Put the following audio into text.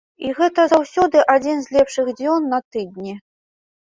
І гэта заўсёды адзін з лепшых дзён на тыдні.